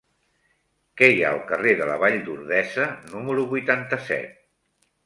Què hi ha al carrer de la Vall d'Ordesa número vuitanta-set?